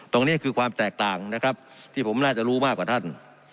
ตรงนี้คือความแตกต่างนะครับที่ผมน่าจะรู้มากกว่าท่าน